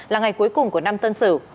là ngày cuối cùng của năm tân sử